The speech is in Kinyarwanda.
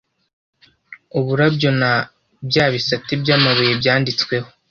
uburabyo na bya bisate by amabuye byanditsweho